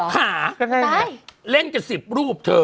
๑๐ขาก็ได้ไหมเล่นกับ๑๐รูปเธอ